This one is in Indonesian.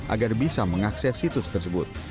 agar bisa mengakses situs tersebut